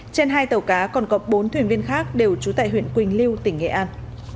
trên hai tàu cá còn có bốn thuyền viên khác đều trú tại huyện quỳnh lưu tỉnh nghệ an